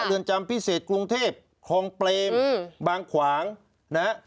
เรือนจำพิเศษกรุงเทพคลองเปรมบางขวางนะฮะ